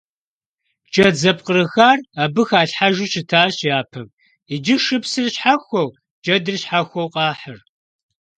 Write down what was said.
Джэд зэпкъырыхар абы халъхьэжу щытащ япэм, иджы шыпсыр щхьэхуэу джэдыр щхьэхуэу къахьыр.